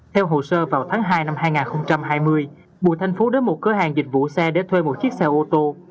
theo hồ sơ vào tháng hai năm hai nghìn hai mươi bùi thanh phú đến một cửa hàng dịch vụ xe để thuê một chiếc xe ô tô